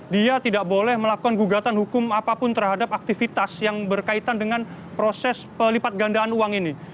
dia tidak boleh melakukan gugatan hukum apapun terhadap aktivitas yang berkaitan dengan proses pelipat gandaan uang ini